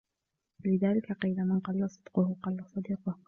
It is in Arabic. وَلِذَلِكَ قِيلَ مَنْ قَلَّ صِدْقُهُ قَلَّ صَدِيقُهُ